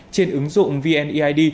trên ứng dụng vneid